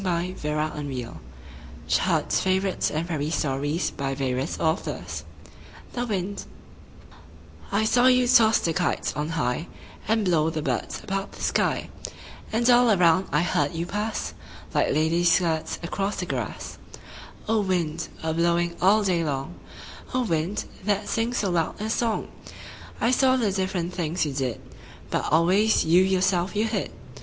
our work is begun." RICHARD MONCKTON MILNES (LORD HOUGHTON) THE WIND I saw you toss the kites on high And blow the birds about the sky; And all around I heard you pass, Like ladies' skirts across the grass O wind, a blowing all day long, O wind, that sings so loud a song! I saw the different things you did, But always you yourself you hid.